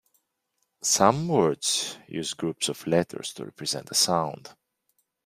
Some words use groups of letters to represent a sound.